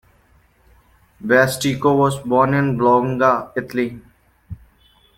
Bastico was born in Bologna, Italy.